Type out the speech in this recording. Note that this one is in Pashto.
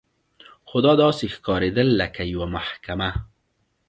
خو دا داسې ښکارېدل لکه یوه محکمه.